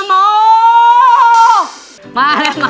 มาแหละ